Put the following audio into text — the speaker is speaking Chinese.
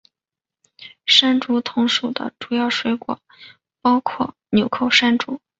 山竹同属的主要水果包括钮扣山竹。